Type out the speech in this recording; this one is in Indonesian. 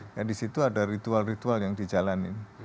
dan disitu ada ritual ritual yang dijalankan